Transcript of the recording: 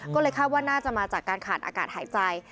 ก็เลยคาดว่าน่าจะมาจากการขาดอากาศหายใจ